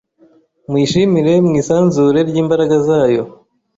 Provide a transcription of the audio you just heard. Muyishimire mu isanzure ry imbaraga zayo